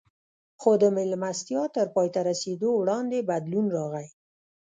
خو د مېلمستیا تر پای ته رسېدو وړاندې بدلون راغی